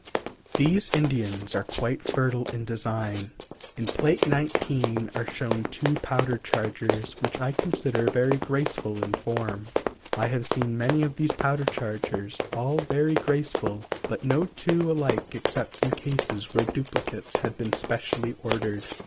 These Indians are quite fertile in design. In Pl. XIX are shown two powder chargers, which I consider very graceful in form. I have seen many of these powder chargers, all very graceful, but no two alike except in cases where duplicates had been specially ordered.